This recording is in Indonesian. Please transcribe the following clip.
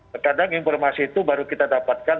terkadang informasi itu baru kita dapatkan